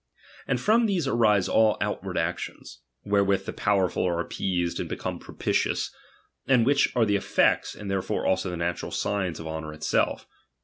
And from these arise all outward actions, wherewith the powerful are appeased and become propitious; and which are the elfects, and therefore also the natural signs of honour itself.